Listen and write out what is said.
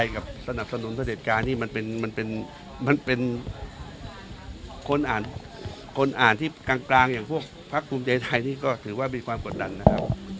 กับสนับสนุนเทศกานี่มันเป็นคนอ่านที่กลางอย่างพวกพรรคภูมิใจไทยนี่ก็ถือว่าเป็นความกดดันนะครับ